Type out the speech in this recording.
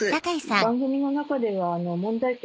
番組の中では問題点